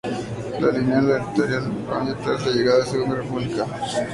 La línea editorial no cambió tras la llegada de la Segunda República.